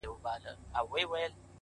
o بابولاره وروره راسه تې لار باسه.